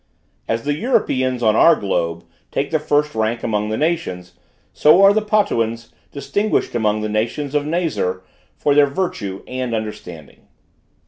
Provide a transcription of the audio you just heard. As the Europeans on our globe take the first rank among the nations, so are the Potuans distinguished among the nations of Nazar for their virtue and understanding.